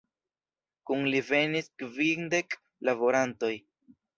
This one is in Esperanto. Kun li venis kvindek laborantoj.